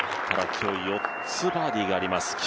ただ今日、４つバーディーがあります。